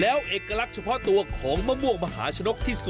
การเปลี่ยนแปลงในครั้งนั้นก็มาจากการไปเยี่ยมยาบที่จังหวัดก้าและสินใช่ไหมครับพี่รำไพ